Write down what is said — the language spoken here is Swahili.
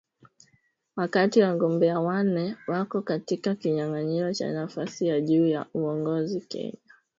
Wakati wagombea wanne wako katika kinyang’anyiro cha nafasi ya juu ya uongozi Kenya